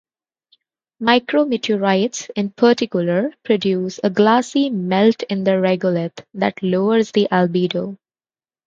Micrometeorites in particular produce a glassy melt in the regolith that lowers the albedo.